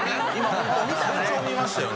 本当成長見ましたよね。